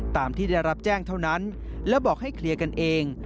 ตามที่ได้รับแจ้งเท่านั้นและบอกให้เคลียร์กันเอง